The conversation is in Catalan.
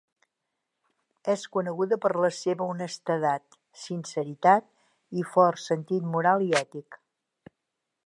És coneguda per la seva honestedat, sinceritat i fort sentit moral i ètic.